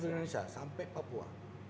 seluruh indonesia sampai papua